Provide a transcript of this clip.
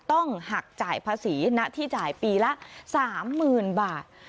ต้องหักจ่ายภาษีณที่จ่ายปีละ๓๐๐๐บาท